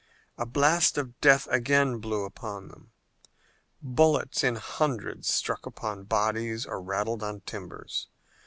A blast of death again blew upon them. Bullets in hundreds struck upon bodies or rattled on timbers.